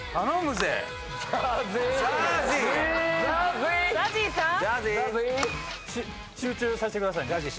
しゅ集中させてください。